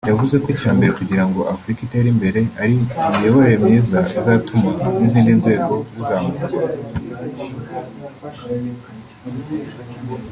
yavuze ko icya mbere kugira ngo Afurika itere imbere ari imiyoborere myiza izatuma n’izindi nzego zizamuka